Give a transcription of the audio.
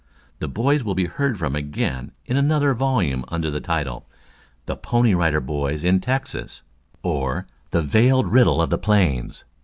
The boys will be heard from again in another volume under the title: "THE PONY RIDER BOYS IN TEXAS; Or, The Veiled Riddle of the Plains."